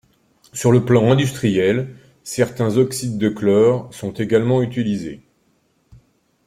Sur le plan industriel, certains oxydes de chlore sont également utilisés.